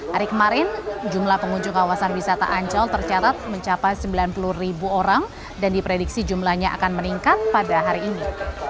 hari kemarin jumlah pengunjung kawasan wisata ancol tercatat mencapai sembilan puluh ribu orang dan diprediksi jumlahnya akan meningkat pada hari ini